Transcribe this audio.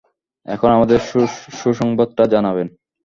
এখন আমাদের সুসংবাদটা জানাবেন?